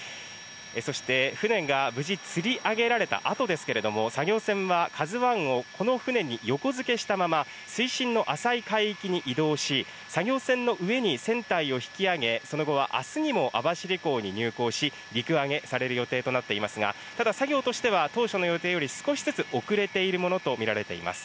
そして船が無事つり上げられたあとですけれども、作業船はＫＡＺＵＩをこの船に横付けしたまま、水深の浅い海域に移動し、作業船の上に船体を引き揚げ、その後はあすにも網走港に入港し、陸揚げされる予定となっていますが、ただ、作業としては、当初の予定より、少しずつ遅れているものと見られています。